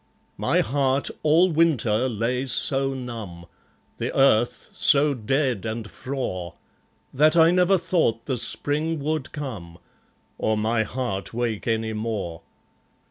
My heart all Winter lay so numb, The earth so dead and frore, That I never thought the Spring would come, Or my heart wake any more.